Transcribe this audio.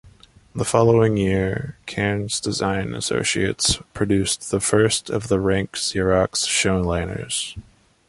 The following year Cairnes Design Associates produced the first of the Rank Xerox Showliners.